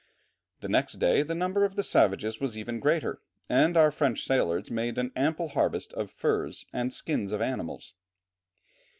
The next day the number of the savages was even greater, and our French sailors made an ample harvest of furs and skins of animals.